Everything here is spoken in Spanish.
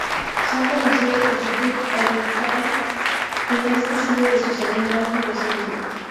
Son conocidos por su hit "Everytime", primer sencillo de su segundo álbum de estudio.